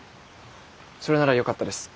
それならよかったです。